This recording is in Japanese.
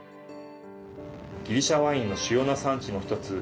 ギリシャワインの主要な産地の１つ